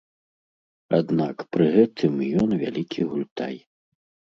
Аднак пры гэтым ён вялікі гультай.